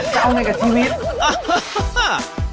จะเอาไงกับชีวิต